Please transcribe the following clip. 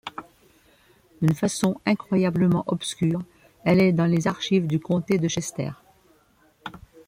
D'une façon incroyablement obscure - elle est dans les archives du comté de Chester.